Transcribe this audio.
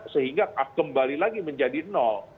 sehingga kembali lagi menjadi nol